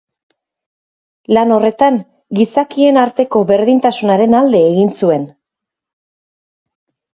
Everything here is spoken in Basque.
Lan horretan, gizakien arteko berdintasunaren alde egin zuen.